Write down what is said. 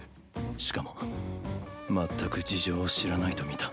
しかもまったく事情を知らないとみた